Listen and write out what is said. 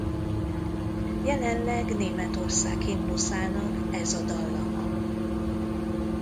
Jelenleg Németország himnuszának ez a dallama.